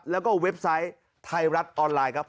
แล้วก็เว็บไซต์ไทยรัฐออนไลน์ครับ